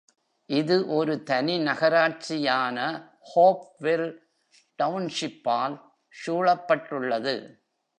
இது ஒரு தனி நகராட்சியான ஹோப்வெல் டவுன்ஷிப்பால் சூழப்பட்டுள்ளது.